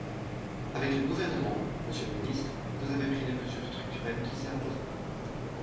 Avec le Gouvernement, monsieur le ministre, vous avez pris les mesures structurelles qui s’imposaient.